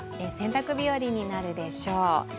洗濯日和になるでしょう。